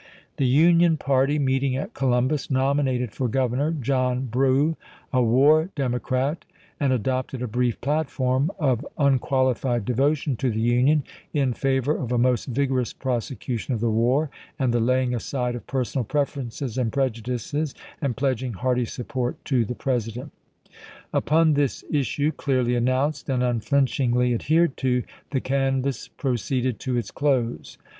The Union party, meeting at Columbus, nominated for governor John Brough, a war Dem ocrat, and adopted a brief platform of unqualified devotion to the Union, in favor of a most vigorous prosecution of the war, and the laying aside of personal preferences and prejudices, and pledging hearty support to the President. Upon this issue, clearly announced and unflinchingly adhered to, the canvass proceeded to its close.